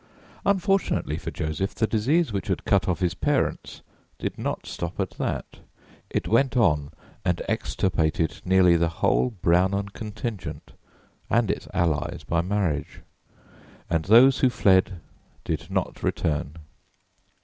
Unfortunately for Joseph the disease which had cut off his parents did not stop at that; it went on and extirpated nearly the whole Brownon contingent and its allies by marriage; and those who fled did not return.